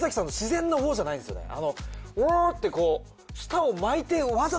「を」ってこう。